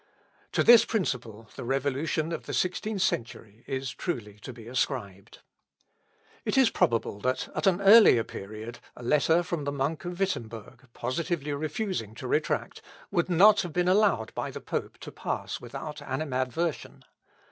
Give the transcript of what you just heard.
To this principle the revolution of the 16th century is truly to be ascribed. [Sidenote: LUTHER AGAINST SEPARATION.] It is probable that at an earlier period a letter from the monk of Wittemberg, positively refusing to retract, would not have been allowed by the pope to pass without animadversion.